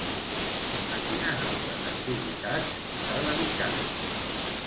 A quines altres activitats s'ha dedicat?